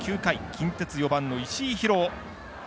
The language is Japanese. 近鉄４番の石井浩郎。